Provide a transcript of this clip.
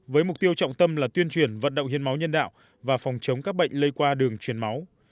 với mục tiêu trọng tâm là tuyên truyền vận động hiến máu nhân đạo và phòng chống các bệnh lây qua đường chuyển máu